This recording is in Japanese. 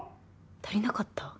足りなかった？